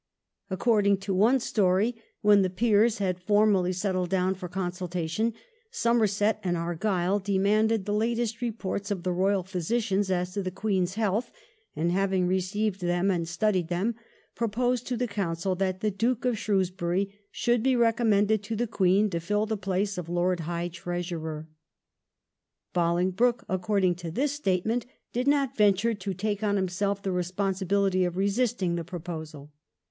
According to one story, when the Peers had formally settled down for consultation, Somer set and Argyle demanded the latest reports of the royal physicians as to the Queen's health, and having received them and studied them, proposed to the Council that the Duke of Shrewsbury should be recommended to the Queen to fill the place of Lord High Treasurer. BoHngbroke, according to this statement, did not venture to take on himself the responsibility of re sisting the proposal.